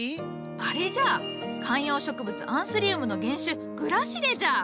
あれじゃ観葉植物アンスリウムの原種グラシレじゃ！